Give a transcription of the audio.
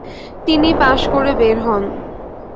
তিনি পাশ করে বের হন।